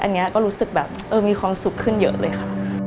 อันนี้ก็รู้สึกแบบเออมีความสุขขึ้นเยอะเลยค่ะ